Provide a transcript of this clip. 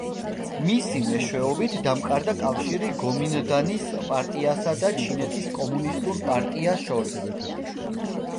მისი მეშვეობით დამყარდა კავშირი გომინდანის პარტიასა და ჩინეთის კომუნისტურ პარტია შორის.